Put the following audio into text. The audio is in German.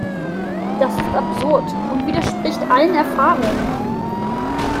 Das ist absurd und widerspricht allen Erfahrungen.